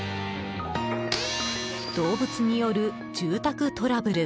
動物による住宅トラブル。